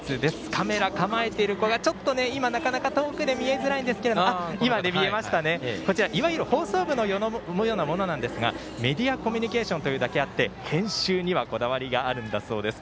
カメラ構えている子がちょっと今はなかなか遠くで見えづらいんですがいわゆる放送部のようなものなんですがメディアコミュニケーションというだけあって編集にはこだわりがあるんだそうです。